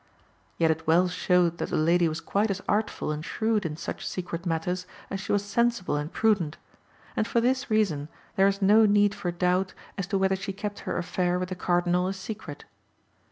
Yet it well showed that the lady was quite as artful and shrewd in such secret matters as she was sensible and prudent; and for this reason there is no need for doubt as to whether she kept her affair with the Cardinal a secret.